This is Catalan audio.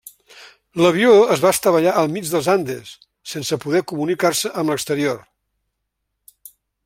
L'avió es va estavellar al mig dels Andes sense poder comunicar-se amb l'exterior.